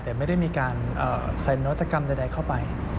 แต่ไม่ได้มีการใส่นวัตกรรมใดเข้าไป